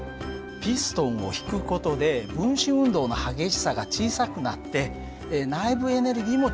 ピストンを引く事で分子運動の激しさが小さくなって内部エネルギーも小さくなる。